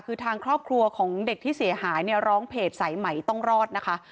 คือทางครอบครัวของเด็กที่เสียหายเนี่ยร้องเพจสายใหม่ต้องรอดนะคะ